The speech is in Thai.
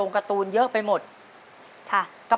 ขอเชิญแสงเดือนมาต่อชีวิตเป็นคนต่อไปครับ